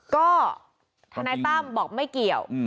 ก็ทนายตั้มบอกไม่เกี่ยว